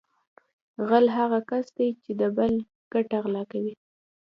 غل هغه کس دی چې د بل ګټه غلا کوي